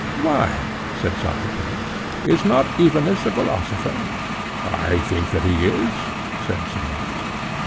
Why, said Socrates,—is not Evenus a philosopher? I think that he is, said Simmias.